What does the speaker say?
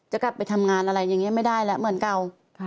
จะกลับไปทำงานอะไรอย่างนี้ไม่ได้แล้วเหมือนเก่า